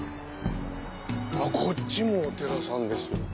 あっこっちもお寺さんですよ。